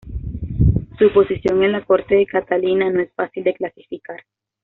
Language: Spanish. Su posición en la corte de Catalina no es fácil de clasificar.